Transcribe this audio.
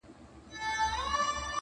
له آمو تر اباسینه وطن بولي٫